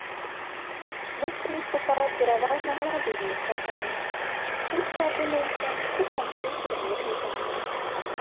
Клуб выступаў пераважна маладымі ігракамі і хутка апынуўся ў канцы турнірнай табліцы.